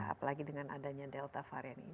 apalagi dengan adanya delta varian ini